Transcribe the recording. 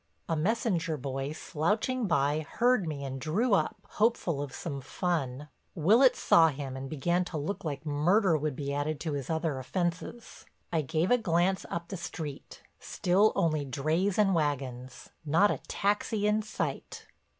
A messenger boy, slouching by, heard me and drew up, hopeful of some fun. Willitts saw him and began to look like murder would be added to his other offenses. I gave a glance up the street—still only drays and wagons, not a taxi in sight.